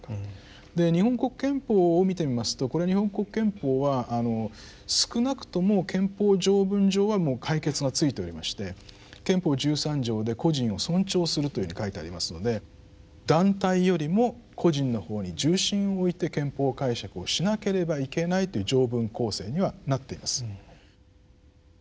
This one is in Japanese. で日本国憲法を見てみますとこれ日本国憲法は少なくとも憲法条文上はもう解決がついておりまして憲法十三条で個人を尊重するというふうに書いてありますので団体よりも個人の方に重心を置いて憲法解釈をしなければいけないという条文構成にはなっています。